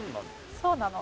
そうなの。